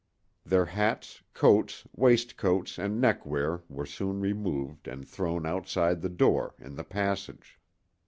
Their hats, coats, waistcoats and neckwear were soon removed and thrown outside the door, in the passage.